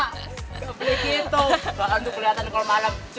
gak boleh gitu